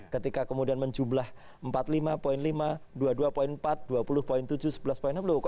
ketika kemudian menjumlah empat puluh lima lima dua puluh dua empat dua puluh tujuh sebelas enam kok seratus dua